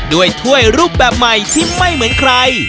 ถ้วยรูปแบบใหม่ที่ไม่เหมือนใคร